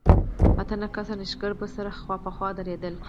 اته نه کسه نېشګر به سره خوا په خوا ودرېدل.